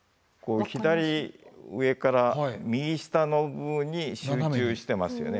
左上から右下の部分に集中してますよね。